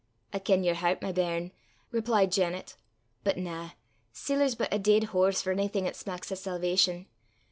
"I ken yer hert, my bairn," replied Janet; "but na; siller's but a deid horse for onything 'at smacks o' salvation.